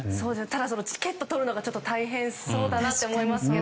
ただ、チケットとるのが大変そうだなって思いますが。